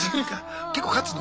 結構勝つの？